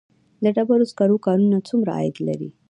د ډبرو سکرو کانونه څومره عاید لري؟